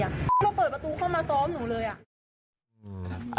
ก็เปิดประตูเข้ามาซ้อมหนูเลยอ่ะ